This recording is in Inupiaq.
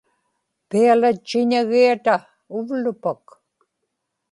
pialatchiñagiata uvlupak